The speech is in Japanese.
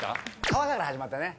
川から始まったね。